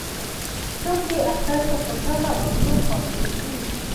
څوک دې اثر ته خوشاله او څوک خوابدي کېږي.